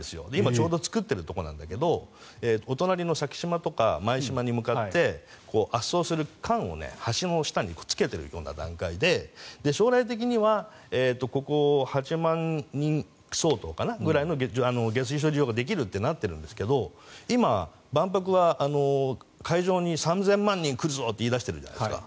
まだちょうど作っているところなんだけどお隣の咲洲とか舞洲に向かって圧送する管を橋の下にくっつけている段階で将来的にはここ、８万人相当ぐらいの下水処理場ができるとなっているんですが今、万博は会場に３０００万人来るぞって言い出しているじゃないですか。